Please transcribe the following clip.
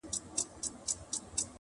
د پاچا د لوڅ بدن خبره سره سوه؛